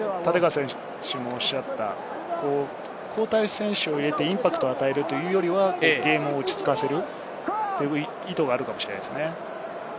選手を入れてインパクトを与えるというよりは、ゲームを落ち着かせるという意図があるかもしれないですね。